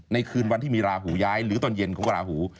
คืนวันที่มีราหูย้ายหรือตอนเย็นของราหู